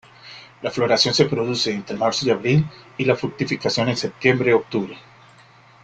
La floración se produce entre marzo y abril, y la fructificación en septiembre-octubre.